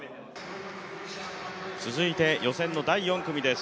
続いて予選の第４組です。